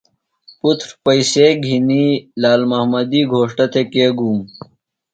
پُتر پیئسے گِھینیۡ لال محمدی گھوݜٹہ تھےۡ کے گُوم؟